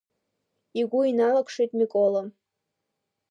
Игәы иналак-шеит микола.